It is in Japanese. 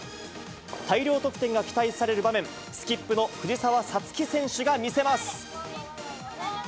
大量得点が期待される場面、スキップの藤澤五月選手が見せます。